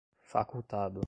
facultado